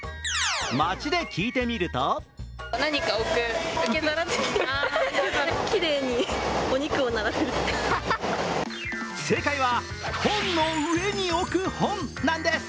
街で聞いてみると正解は本の上に置く本なんです。